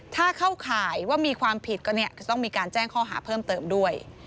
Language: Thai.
ถ้าเข้าข่ายว่ามีความผิดก็จะต้องมีการแจ้งข้อหาเพิ่มเติมด้วย